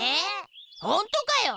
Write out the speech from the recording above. ほんとかよ！